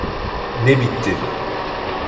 Ne bitti?